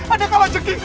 ada kalah caking